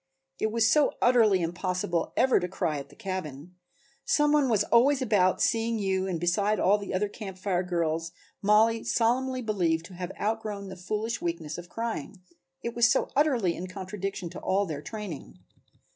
It was so utterly impossible ever to cry at the cabin. Some one was always about seeing you and besides all the other Camp Fire girls Mollie solemnly believed to have outgrown the foolish weakness of crying, it was so utterly in contradiction to all their training.